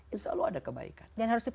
insya allah ada kebaikan